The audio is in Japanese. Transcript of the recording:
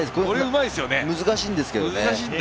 これ難しいんですけどね。